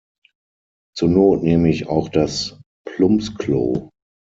Zur Not nehme ich auch das Plumpsklo.